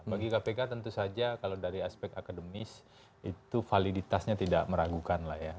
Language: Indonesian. bagi kpk tentu saja kalau dari aspek akademis itu validitasnya tidak meragukan lah ya